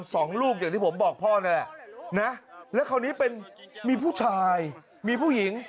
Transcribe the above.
มีของลูกอย่างที่ผมบอกพ่อแนวเนี่ยและคราวนี้มีผู้ชายมีผู้หญิง